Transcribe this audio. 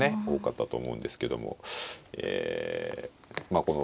多かったと思うんですけどもえまあ